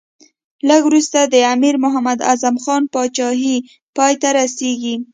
لږ وروسته د امیر محمد اعظم خان پاچهي پای ته رسېږي.